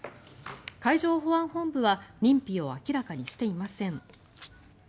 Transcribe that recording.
海上保安本部は認否を明らかにしていません。